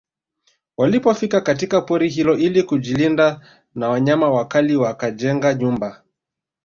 Walipofika katika pori hilo ili kujilinda na wanyama wakali wakajenga nyumba